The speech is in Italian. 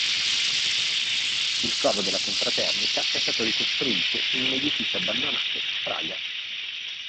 Il covo della Confraternita è stato ricostruito in un edificio abbandonato a Praga.